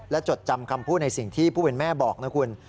และจดจำคำพูดในสิ่งที่ผู้เป็นแม่บอกนะคุณ